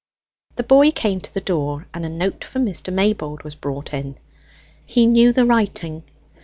The boy came to the door, and a note for Mr. Maybold was brought in. He knew the writing.